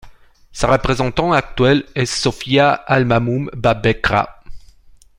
Sa représentante actuelle est Sofya Almamun Babekra.